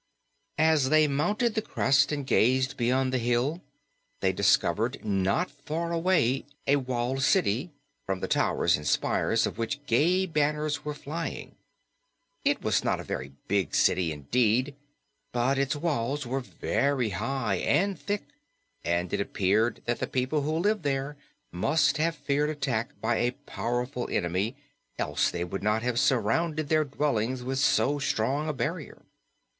As they mounted the crest and gazed beyond the hill, they discovered not far away a walled city, from the towers and spires of which gay banners were flying. It was not a very big city, indeed, but its walls were very high and thick, and it appeared that the people who lived there must have feared attack by a powerful enemy, else they would not have surrounded their dwellings with so strong a barrier.